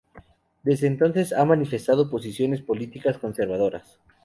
Desde entonces ha manifestado posiciones políticas conservadoras.